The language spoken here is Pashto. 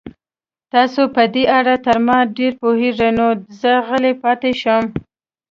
تاسو په دې اړه تر ما ډېر پوهېږئ، نو زه غلی پاتې شم.